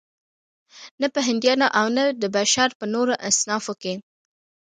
نه په هندیانو او نه د بشر په نورو اصنافو کې.